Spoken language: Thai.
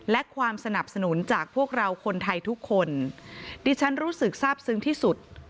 และความสนับสนุนจากพวกเราคนไทยทุกคนดิฉันรู้สึกทราบซึ้งที่สุด